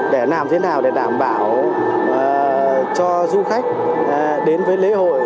để làm thế nào để đảm bảo cho du khách đến với lễ hội